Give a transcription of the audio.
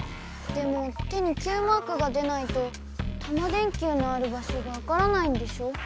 でも手にＱマークが出ないとタマ電Ｑのある場所がわからないんでしょ？